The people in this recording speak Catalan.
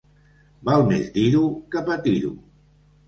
Val més dir-ho que patir-ho.